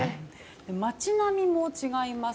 街並みも違います。